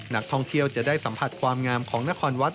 นักท่องเที่ยวจะได้สัมผัสความงามของนครวัด